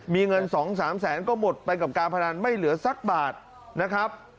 มีเงิน๒๓แสนก็หมดไปกับการพนันไม่เหลือสักบาทนะครับ